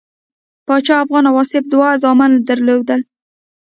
پاچا افغان او آصف دوه زامن درلودل.